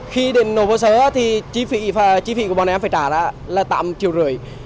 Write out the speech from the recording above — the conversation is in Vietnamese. khi đến nổ bơ sớ thì chi phị của bọn em phải trả là tạm chiều rưỡi